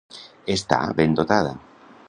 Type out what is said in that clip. Estar ben dotada.